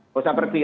gak usah pergi